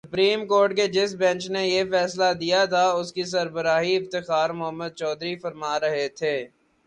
Supreme Court کے جس bench نے یہ فیصلہ دیا تھا، اس کی سربراہی افتخار محمد چودھری فرما رہے تھے۔